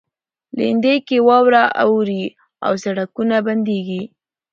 لېندۍ کې واوره اوري او سړکونه بندیږي.